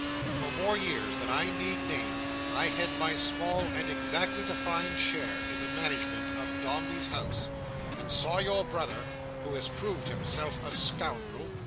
For more years than I need name, I had my small, and exactly defined share, in the management of Dombey's House, and saw your brother (who has proved himself a scoundrel!